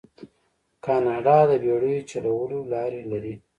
کاناډا د بیړیو چلولو لارې لري.